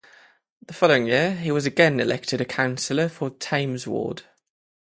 The following year, he was again elected a councillor for Thames ward.